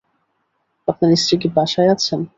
আপনার স্ত্রী কি বাসায় আছেন?